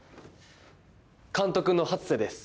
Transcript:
監督の初瀬です。